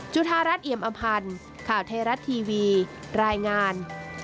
จุธารัฐเอียมอำพันธ์ข่าวไทยรัฐทีวีรายงาน